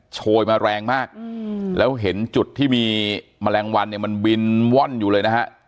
โชยมาแรงมากแล้วเห็นจุดที่มีแมลงวันเนี่ยมันบินว่อนอยู่เลยนะฮะ